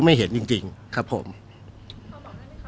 ไม่เห็นจริงจริงครับผมเขาบอกนะครับว่าเกือบสามชั่วโมง